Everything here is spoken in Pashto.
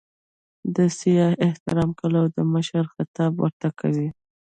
د سیاح احترام کوي او د مشر خطاب ورته کوي.